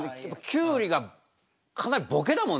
キュウリがかなりボケだもんね。